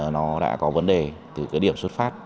nó đã có vấn đề từ cái điểm xuất phát